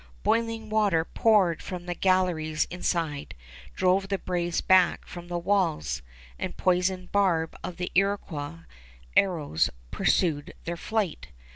Boiling water poured from the galleries inside drove the braves back from the walls, and the poisoned barb of the Iroquois arrows pursued their flight.